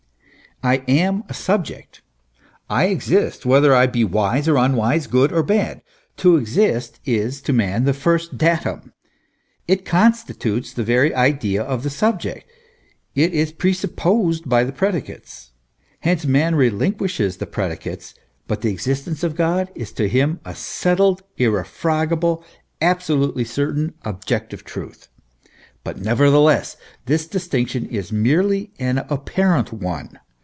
I am a subject, I exist, whether I be wise or unwise, good .or bad. To exist is to man the first datum; it constitutes the very idea of the subject; it is presupposed by the predicates. Hence, man relinquishes the predicates, but the existence of God is to him a settled, irrefragable, absolutely certain, objective truth. But, nevertheless, this distinction is merely an apparent one.